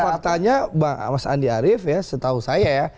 faktanya mas andi arief ya setahu saya ya